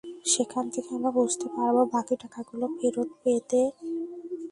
সেখান থেকেই আমরা বুঝতে পারব বাকি টাকাগুলো ফেরত পেতে কত দিন লাগবে।